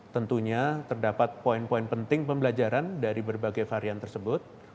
tentunya terdapat poin poin penting pembelajaran dari berbagai varian tersebut